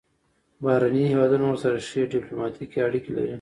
بهرني هیوادونه ورسره ښې ډیپلوماتیکې اړیکې لري.